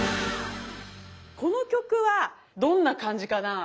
この曲はどんな感じかな。